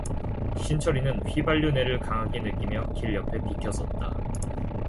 신철이는 휘발유 내 를 강하게 느끼며 길 옆에 비껴섰다.